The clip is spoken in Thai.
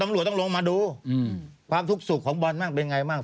ตำรวจต้องลงมาดูความทุกข์สุขของบอลบ้างเป็นไงบ้าง